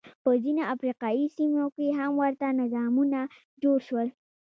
په ځینو افریقايي سیمو کې هم ورته نظامونه جوړ شول.